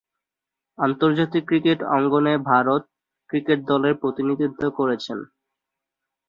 আন্তর্জাতিক ক্রিকেট অঙ্গনে ভারত ক্রিকেট দলের প্রতিনিধিত্ব করছেন।